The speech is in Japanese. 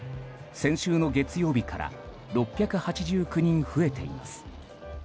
先週の月曜日から６８９人増えています。